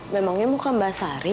memangnya muka mbak sari